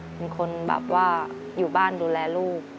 เป็นคนแบบว่าอยู่บ้านดูแลลูก